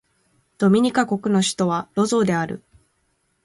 ドミニカ国の首都はロゾーである